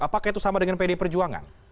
apakah itu sama dengan pdi perjuangan